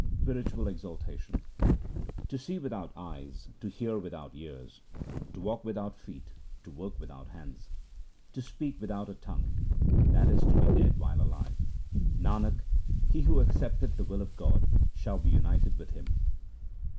Spiritual exaltation :— To see without eyes, to hear without ears, To walk without feet, to work without «hands, To speak without a tongue — that is to be dead while alive. Nanak, he who accepteth the will of God shall be united with Him.